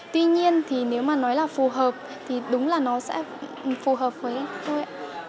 tuy nhiên thì nếu mà nói là phù hợp thì đúng là nó sẽ phù hợp với tôi ạ